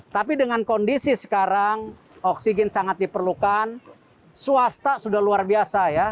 tapi dengan kondisi sekarang oksigen sangat diperlukan swasta sudah luar biasa ya